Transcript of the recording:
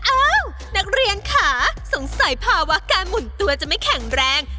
อ่ะนักเรียนขาสงสัยพอว่าการหมุนตัวจะไม่แข็งแรง